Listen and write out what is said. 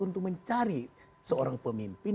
untuk mencari seorang pemimpin